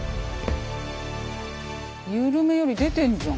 ゆるめより出てんじゃん。